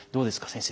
先生。